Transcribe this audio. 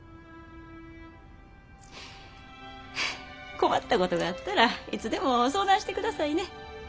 困ったことがあったらいつでも相談してくださいね。